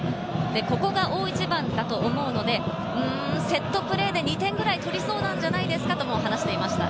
ここが大一番だと思うので、セットプレーで２点ぐらい取りそうなんじゃないですかとも話していました。